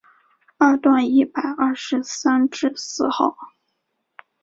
二段一百二十三之四号